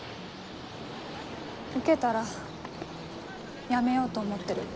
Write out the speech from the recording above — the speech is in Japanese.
受けたらやめようと思ってる。